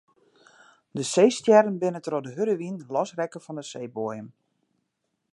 De seestjerren binne troch de hurde wyn losrekke fan de seeboaiem.